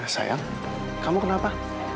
sayang kamu kenapa